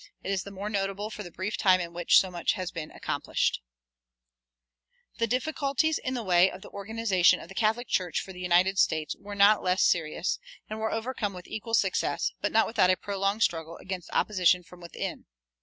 It is the more notable for the brief time in which so much has been accomplished. The difficulties in the way of the organization of the Catholic Church for the United States were not less serious, and were overcome with equal success, but not without a prolonged struggle against opposition from within.